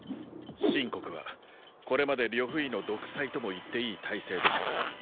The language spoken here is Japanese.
秦国はこれまで呂不韋の独裁とも言っていい体制でした。